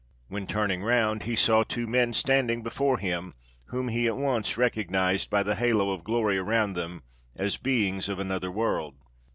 when turning round he saw two men standing before him, whom he at once recognised by the halo of glory around them as beings of another world.